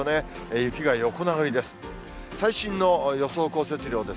雪が横殴りです。